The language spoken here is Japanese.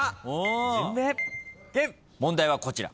「人名」問題はこちら。